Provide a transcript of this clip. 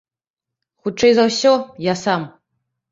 Хутчэй за ўсё я сам.